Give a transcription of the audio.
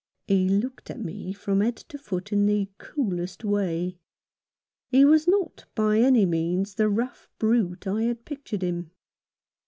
He looked at me from head to foot in the coolest way. He is not by any means the rough brute I had pictured him.